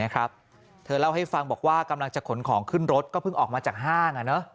กลับขึ้นรถก็เพิ่งออกมาจากห้าง